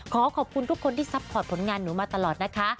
ขอขอบคุณทุกคนที่ซัพพอร์ตผลงานหนูมาตลอดนะคะ